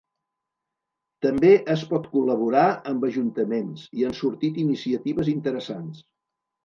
També es pot col·laborar amb ajuntaments i han sortit iniciatives interessants.